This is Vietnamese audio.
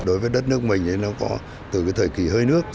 đối với đất nước mình nó có từ cái thời kỳ hơi nước